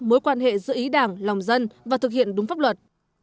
mối quan hệ giữa ý đảng lòng dân và thực hiện đúng pháp luật